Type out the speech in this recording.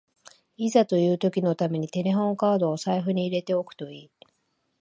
いざという時のためにテレホンカードを財布に入れておくといい